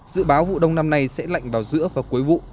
dự báo vụ đông năm nay sẽ lạnh vào giữa và cuối vụ